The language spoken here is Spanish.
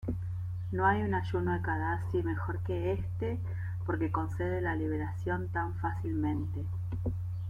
No hay un ayuno-ekadasi mejor que este, porque concede la liberación tan fácilmente.